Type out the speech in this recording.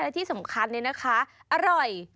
และที่สำคัญนี่นะคะอร่อย